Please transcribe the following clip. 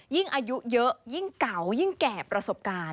ยิ่งอายุเยอะยิ่งเก่ายิ่งแก่ประสบการณ์